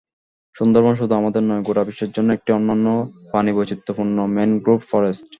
সুন্দরবন শুধু আমাদের নয়, গোটা বিশ্বের জন্য একটি অনন্য প্রাণীবৈচিত্র্যপূর্ণ ম্যানগ্রোভ ফরেস্ট।